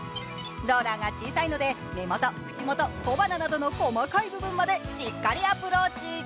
ローラーが小さいので、目元、口元、小鼻などの細かい部分まで、しっかりアプローチ。